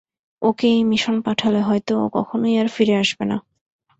ওকে এই মিশনে পাঠালে, হয়তো ও কখনোই আর ফিরে আসবে না।